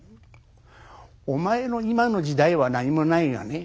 お前の今の時代は何もないがね